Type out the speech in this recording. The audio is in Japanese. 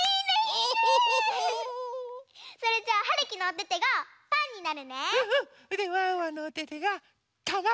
それじゃあはるきのおててがパンになるね！